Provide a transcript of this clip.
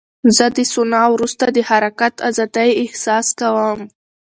زه د سونا وروسته د حرکت ازادۍ احساس کوم.